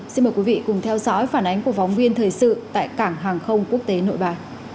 xin mời quý vị cùng theo dõi phản ánh của phóng viên thời sự tại cảng hàng không quốc tế nội bài